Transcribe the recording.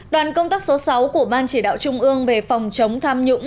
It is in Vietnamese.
đoàn công tác số sáu của ban chỉ đạo trung ương về phòng chống tham nhũng